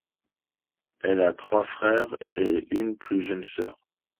Elle a trois frères et une plus jeune sœur.